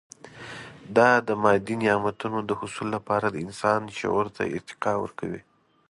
دا د مادي نعمتونو د حصول لپاره د انسان شعور ته ارتقا ورکوي.